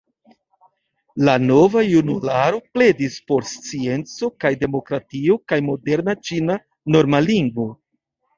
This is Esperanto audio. La Nova Junularo pledis por scienco kaj demokratio kaj moderna ĉina norma lingvo.